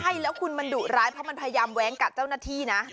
ใช่แล้วคุณมันดุร้ายเพราะมันพยายามแว้งกัดเจ้าหน้าที่นะ